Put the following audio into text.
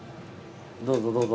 どうぞどうぞ。